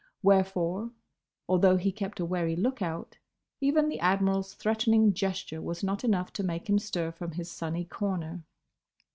Wherefore, although he kept a wary look out, even the Admiral's threatening gesture was not enough to make him stir from his sunny corner.